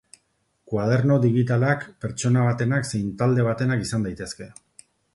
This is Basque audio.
Koaderno digitalak pertsona batenak zein talde batenak izan daitezke.